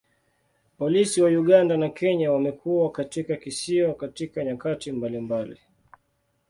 Polisi wa Uganda na Kenya wamekuwa katika kisiwa katika nyakati mbalimbali.